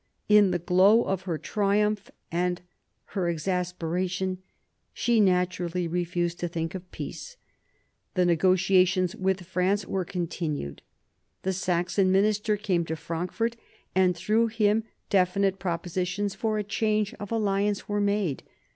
In the glow of her triumph and her exasperation she naturally refused to think of peace. The negotiations with France were continued. The Saxon minister came to Frankfort, and through him definite propositions for a change of alliance were made.